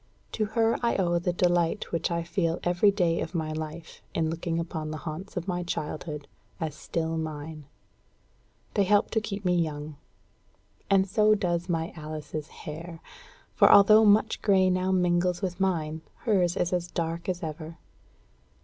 To her I owe the delight which I feel every day of my life in looking upon the haunts of my childhood as still mine. They help me to keep young. And so does my Alice's hair; for although much grey now mingles with mine, hers is as dark as ever.